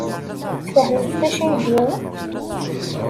Tfehmemt d acu ay d-yenna?